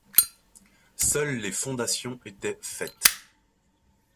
Seules les fondations étaient faites.